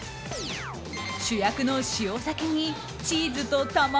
主役の塩鮭にチーズと卵。